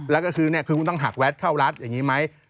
แล้วก็คือคุณต้องหักแวดเข้ารัฐอย่างนี้ไหม